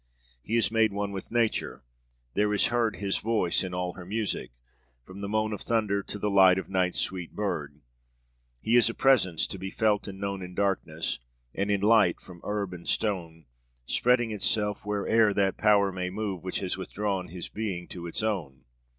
He is made one with Nature; there is heard his voice in all her music, from the moan of thunder to the song of night's sweet bird; he is a presence to be felt and known in darkness and in light, from herb and stone, spreading itself where'er that Power may move which has withdrawn his being to its own